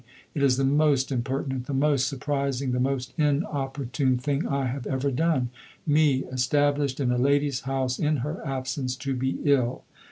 It is the most impertinent, the most surprising, the most inopportune thing I have ever done me established in a lady's house in her absence, to be ill.